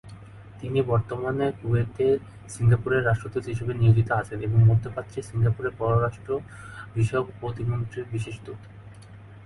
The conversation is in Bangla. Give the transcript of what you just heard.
তিনি বর্তমানে কুয়েতে সিঙ্গাপুরের রাষ্ট্রদূত হিসেবে নিয়োজিত আছেন এবং মধ্যপ্রাচ্যে, সিঙ্গাপুরের পররাষ্ট্র বিষয়ক প্রতিমন্ত্রীর বিশেষ দূত।